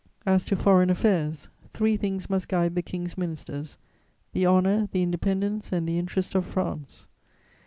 "As to foreign affairs, three things must guide the King's ministers: the honour, the independence and the interest of France.